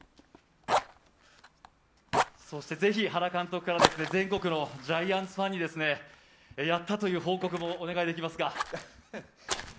そして、ぜひ原監督から全国のジャイアンツファンにやったという報告もお願いできますか？